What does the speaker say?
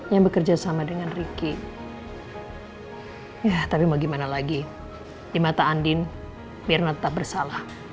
yang bekerja sama dengan ricky tapi mau gimana lagi di mata andin mirna tetap bersalah